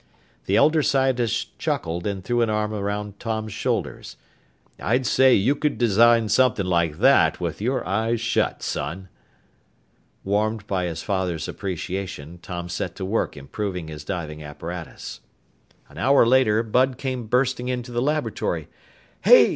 The elder scientist chuckled and threw an arm around Tom's shoulders. "I'd say you could design something like that with your eyes shut, son!" Warmed by his father's appreciation, Tom set to work improving his diving apparatus. An hour later Bud came bursting into the laboratory. "Hey!